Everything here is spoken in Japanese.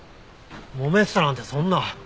もめてたなんてそんな。